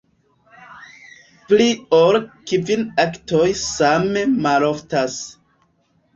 Pli ol kvin aktoj same maloftas.